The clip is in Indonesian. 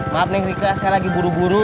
maaf nih rika saya lagi buru buru